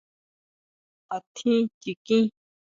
¿Átjín chikín?